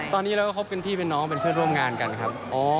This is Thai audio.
ตอนนี้เราก็คบกันพี่เป็นน้องเป็นเพื่อนร่วมงานกันครับ